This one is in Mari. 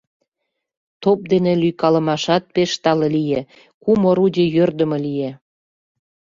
Топ дене лӱйкалымашат пеш тале лие: кум орудий йӧрдымӧ лие.